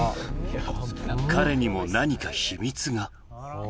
彼にも何か秘密が。